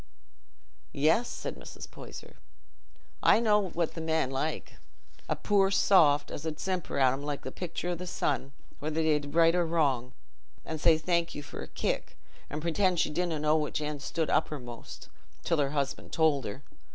"Yes," said Mrs. Poyser, "I know what the men like—a poor soft, as 'ud simper at 'em like the picture o' the sun, whether they did right or wrong, an' say thank you for a kick, an' pretend she didna know which end she stood uppermost, till her husband told her.